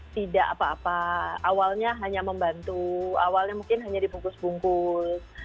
tidak apa apa awalnya hanya membantu awalnya mungkin hanya dibungkus bungkus